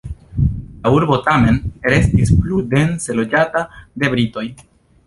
La urbo tamen restis plu dense loĝata de britoj.